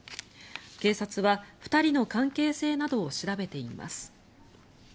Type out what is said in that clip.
警察は２人の関係性などを調べています。